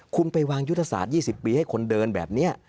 คุณไปวางยุทธศาสตร์๒๐ปีให้คนเดินแบบนี้